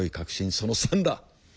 その３だ。